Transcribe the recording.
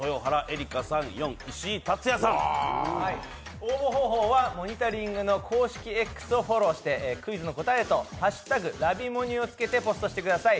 応募方法は「モニタリング」の公式Ｘをフォローしてクイズの答えと「＃ラヴィモニ」をつけてポストしてください。